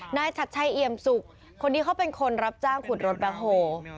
ฉัดชัยเอี่ยมสุกคนนี้เขาเป็นคนรับจ้างขุดรถแบ็คโฮ